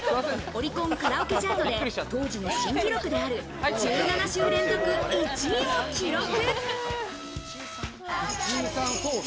オリコンカラオケチャートで当時の新記録である１７週連続１位を記録。